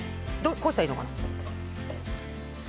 こうしたらいいのかな。